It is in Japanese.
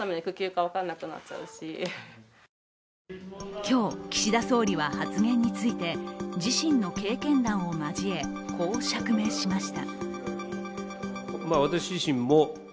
今日、岸田総理は発言について自身の経験談を交えこう釈明しました。